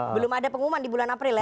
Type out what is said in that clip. belum ada pengumuman di bulan april ya